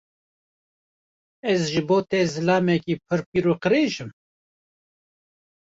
Ez ji bo te zilamekî pir pîr û qirêj im?